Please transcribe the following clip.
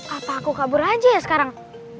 apa aku kabur aja ya sekarang